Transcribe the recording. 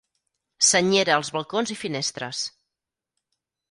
Senyera als balcons i finestres.